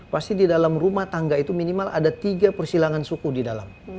pasti di dalam rumah tangga itu minimal ada tiga persilangan suku di dalam